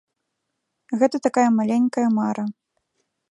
Гэта такая маленькая мара.